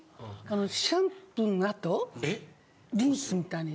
シャンプーの後リンスみたいに。